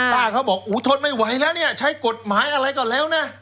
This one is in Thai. ต้านเขาบอกอุทธนไม่ไหวแล้วใช้กฎหมายอะไรก็แล้ว